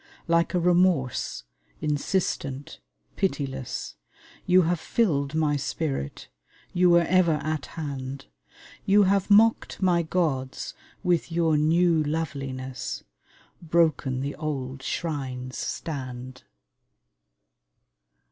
Like a remorse, insistent, pitiless, You have filled my spirit, you were ever at hand; You have mocked my gods with your new loveliness: Broken the old shrines stand.